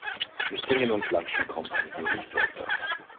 Mit Singen und Klatschen kommt man hier nicht weiter.